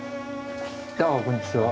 ああこんにちは。